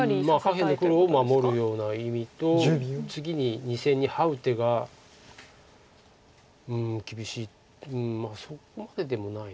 下辺の黒を守るような意味と次に２線にハウ手が厳しいうんまあそこまででもないな。